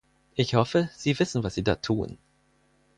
Ich hoffe, Sie wissen, was Sie da tun.